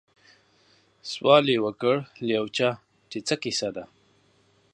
سوال یې وکړ له یو چا چي څه کیسه ده